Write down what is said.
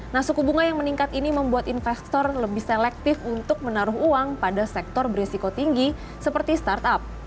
nah suku bunga yang meningkat ini membuat investor lebih selektif untuk menaruh uang pada sektor berisiko tinggi seperti startup